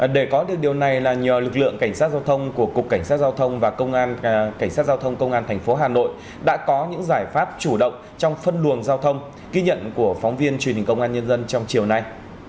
để có được điều này là nhờ lực lượng cảnh sát giao thông của cục cảnh sát giao thông và cảnh sát giao thông công an tp hà nội đã có những giải pháp chủ động trong phân luồng giao thông ghi nhận của phóng viên truyền hình công an nhân dân trong chiều nay